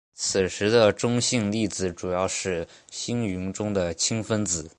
此时的中性粒子主要是星云中的氢分子。